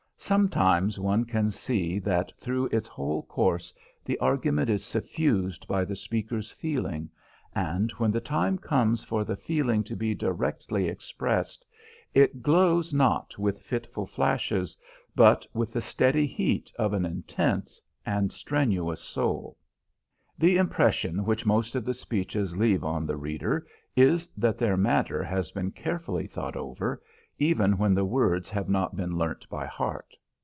Sometimes one can see that through its whole course the argument is suffused by the speaker's feeling, and when the time comes for the feeling to be directly expressed, it glows not with fitful flashes, but with the steady heat of an intense and strenuous soul. The impression which most of the speeches leave on the reader is that their matter has been carefully thought over even when the words have not been learnt by heart.